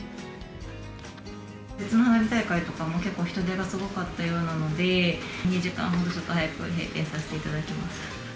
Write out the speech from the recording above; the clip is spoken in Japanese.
別の花火大会とかも結構人手がすごかったようなので、２時間ほど早く閉店させていただきます。